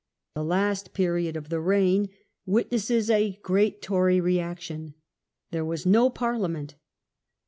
The last period of the reign witnesses a great Tory reaction. There was no Parliament.